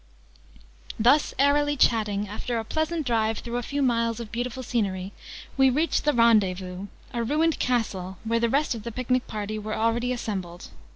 Thus airily chatting, after a pleasant drive through a few miles of beautiful scenery, we reached the rendezvous a ruined castle where the rest of the picnic party were already assembled.